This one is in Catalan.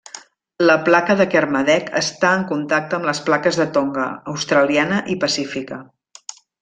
La placa de Kermadec està en contacte amb les plaques de Tonga, australiana i pacífica.